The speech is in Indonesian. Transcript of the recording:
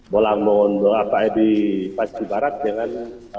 bolang bolongdo apa ya di pasjubarat dengan